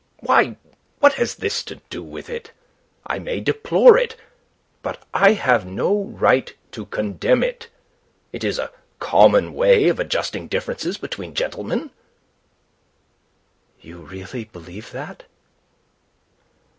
"Why, what has this to do with it? I may deplore it. But I have no right to condemn it. It is a common way of adjusting differences between gentlemen." "You really believe that?"